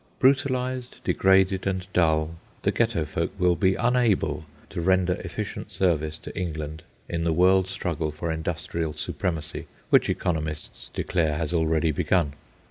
Brutalised, degraded, and dull, the Ghetto folk will be unable to render efficient service to England in the world struggle for industrial supremacy which economists declare has already begun.